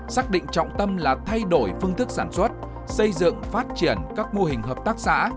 xác định trọng tâm là thay đổi phương thức sản xuất xây dựng phát triển các mô hình hợp tác xã